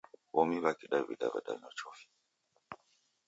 W'omi wa kidawida wadanywa chofi